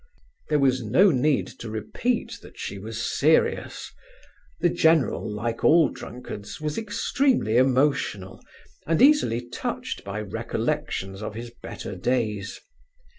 There was no need to repeat that she was serious. The general, like all drunkards, was extremely emotional and easily touched by recollections of his better days.